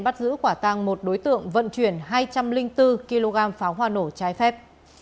bắt giữ quả tăng một đối tượng vận chuyển hai trăm linh bốn kg pháo hoa nổ trái phép